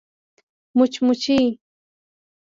🐝 مچمچۍ